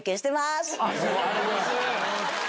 ありがとうございます。